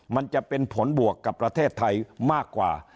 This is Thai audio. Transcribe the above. มันจะเป็นผลบวกกับประเทศไทยมากกว่า